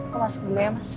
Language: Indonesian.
aku masuk dulu ya mas